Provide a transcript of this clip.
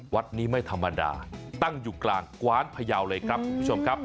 วัดนี้ไม่ธรรมดาตั้งอยู่กลางกว้านพยาวเลยครับคุณผู้ชมครับ